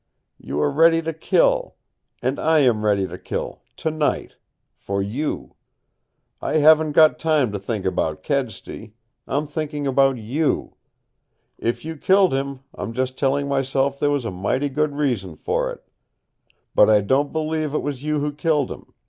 You were ready to kill. And I am ready to kill tonight for you! I haven't got time to think about Kedsty. I'm thinking about you. If you killed him, I'm just telling myself there was a mighty good reason for it. But I don't believe it was you who killed him.